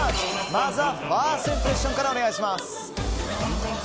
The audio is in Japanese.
まずはファーストインプレッションからお願いします。